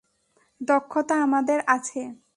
দক্ষতা আমাদের আছে।